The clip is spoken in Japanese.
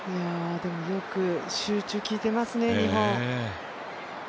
でもよく集中効いていますね、日本。